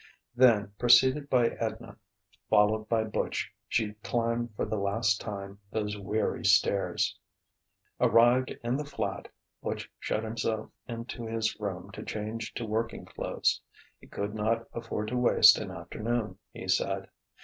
Then, preceded by Edna, followed by Butch, she climbed for the last time those weary stairs. Arrived in the flat, Butch shut himself into his room to change to working clothes. He could not afford to waste an afternoon, he said.